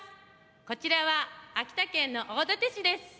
こちらは、秋田県の大館市です。